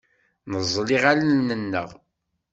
Neẓẓel iɣallen-nneɣ.